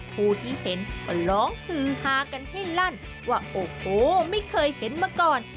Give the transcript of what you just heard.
ผู้ที่เห็นก็ร้องฮือฮากันให้ลั่นว่าโอ้โหไม่เคยเห็นมาก่อน